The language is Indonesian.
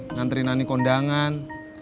nganterin ani kondangan